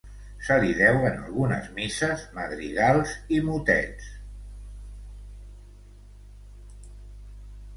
Se li deuen algunes misses, madrigals i motets.